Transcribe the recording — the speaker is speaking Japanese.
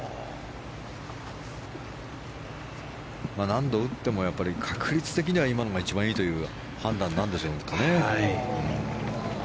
何度打っても確率的には今のが一番いいという判断なんでしょうかね。